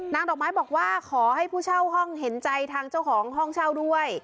ดอกไม้บอกว่าขอให้ผู้เช่าห้องเห็นใจทางเจ้าของห้องเช่าด้วย